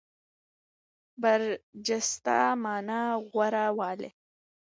برجسته مانا غوره والی.